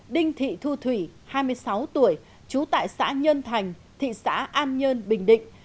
đinh thị thu thủy hai mươi sáu tuổi trú tại xã nhân thành thị xã an nhơn bình định